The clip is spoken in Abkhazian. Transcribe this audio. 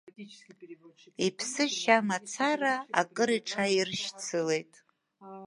Иԥсы шьа мацара, акыр иҽаиршьцылеит.